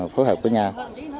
phối hợp với nhau